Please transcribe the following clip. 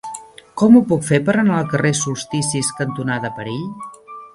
Com ho puc fer per anar al carrer Solsticis cantonada Perill?